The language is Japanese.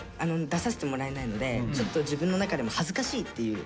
出させてもらえないのでちょっと自分の中でも恥ずかしいっていう。